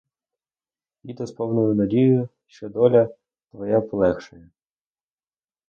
Їду з повною надією, що доля твоя полегшає.